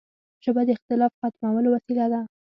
ژبه د اختلاف ختمولو وسیله ده